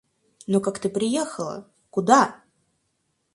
Но как ты приехала, куда?